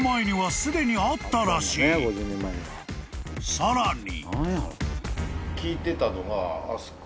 ［さらに］